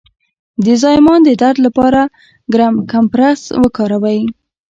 د زایمان د درد لپاره ګرم کمپرس وکاروئ